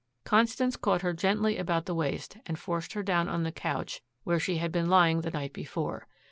Constance caught her gently about the waist and forced her down on the couch where she had been lying the night before.